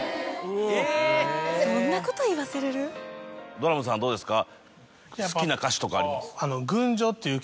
ドラムさんどうですか？